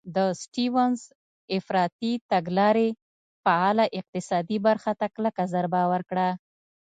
د سټیونز افراطي تګلارې فعاله اقتصادي برخه ته کلکه ضربه ورکړه.